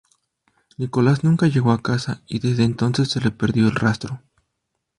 Nicholas nunca llegó a casa y desde entonces se le perdió el rastro.